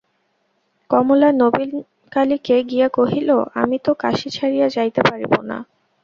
কমলা নবীনকালীকে গিয়া কহিল, আমি তো কাশী ছাড়িয়া যাইতে পারিব না।